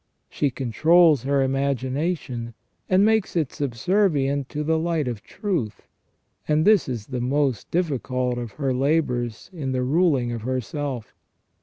She controls her imagination, and makes it subservient to the light of truth ; and this is the most difficult of her labours in the ruling of herself.